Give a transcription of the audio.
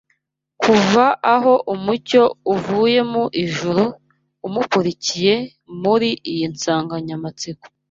kuva aho umucyo uvuye mu ijuru umurikiye kuri iyi nsanganyamatsiko